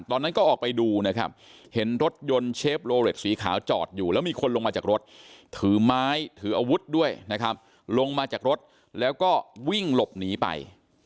ตอนนั้นก็ออกไปดูนะครับเห็นรถยนต์เชฟโลเล็ตสีขาวจอดอยู่แล้วมีคนลงมาจากรถถือไม้ถืออาวุธด้วยนะครับลงมาจากรถแล้วก็วิ่งหลบหนีไป